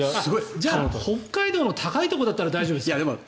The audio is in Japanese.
じゃあ北海道の高いところだったら大丈夫ですか？